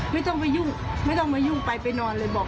ไม่ต้องมายุ่งไปไปนอนเลยบอกให้ลูกไปนอน